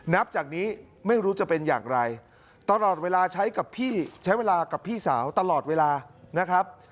นับจากนี้ไม่รู้จะเป็นอย่างไรตลอดเวลาใช้กับพี่ใช้เวลากับพี่สาวตลอดเวลานะครับ